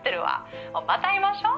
「また会いましょう。